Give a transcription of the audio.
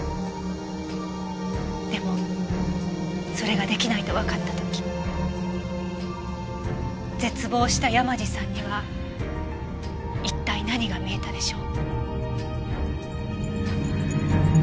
でもそれが出来ないとわかった時絶望した山路さんには一体何が見えたでしょう。